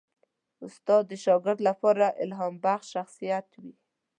استاد د شاګرد لپاره الهامبخش شخصیت وي.